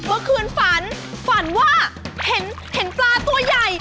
เมื่อคืนฝันฝันว่าเห็นปลาตัวใหญ่